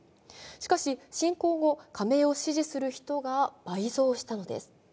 しかし侵攻後、加盟を支持する人が倍増したのです。